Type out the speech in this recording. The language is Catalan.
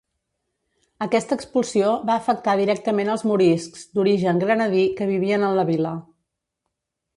Aquesta expulsió va afectar directament als moriscs d'origen granadí que vivien en la vila.